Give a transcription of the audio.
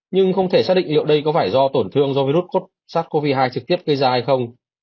nhưng không thể xác định liệu đây có phải do tổn thương do virus sars cov hai trực tiếp gây ra hay không